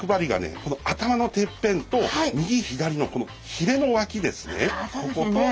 この頭のてっぺんと右左のこのひれの脇ですね。